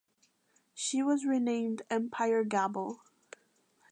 She was renamed "Empire Gable".